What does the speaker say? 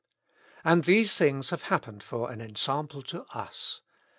And these things have happened for an ensample to us.